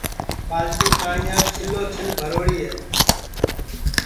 ٻالٹی پاٹِؔیاس چھِلو چھِل بھروڑی ہے